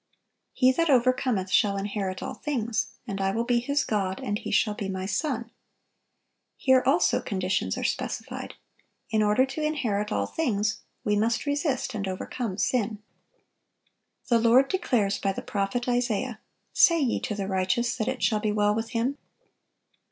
"He that overcometh shall inherit all things; and I will be his God, and he shall be My son."(943) Here, also, conditions are specified. In order to inherit all things, we must resist and overcome sin. The Lord declares by the prophet Isaiah, "Say ye to the righteous, that it shall be well with him."